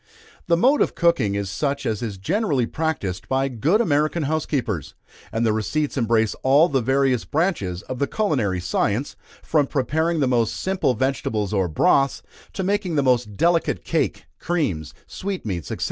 The mode of cooking is such as is generally practised by good American housekeepers, and the receipts embrace all the various branches of the culinary science, from preparing the most simple vegetables or broths, to making the most delicate cake, creams, sweetmeats, &c.